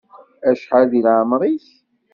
Acḥal di lɛemeṛ-ik?